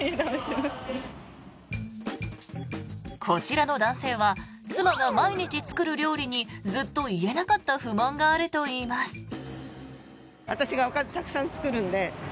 こちらの男性は妻が毎日作る料理にずっと言えなかった不満があるといいます。